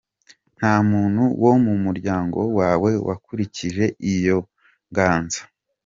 Nta muntu wo mu muryango wawe wakurikije iyo nganzo?.